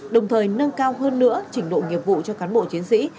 đồng thời nâng cao hơn nữa trình độ nghiệp vụ cho cán bộ chiến sĩ